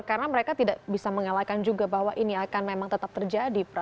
karena mereka tidak bisa mengalahkan juga bahwa ini akan memang tetap terjadi